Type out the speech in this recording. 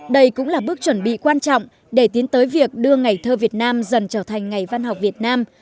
đây cũng là bước chuẩn bị quan trọng để tiến tới việc đưa ngày thơ việt nam dần trở thành ngày văn học việt nam